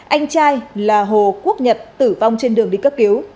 anh trai là hồ quốc nhật tử vong trên đường đi cấp cứu